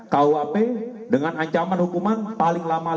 kwp dengan ancaman hukuman paling lama lima belas tahun